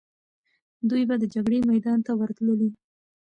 دوی به د جګړې میدان ته ورتللې.